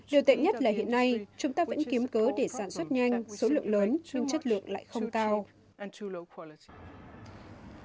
điều tệ nhất là hiện nay chúng ta vẫn kiếm cớ để sản xuất nhanh số lượng lớn nhưng chất lượng lại không cao